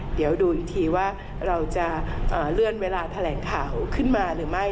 เดี๋ยวดูอีกทีว่าเราจะเลื่อนเวลาแถลงข่าวขึ้นมาหรือไม่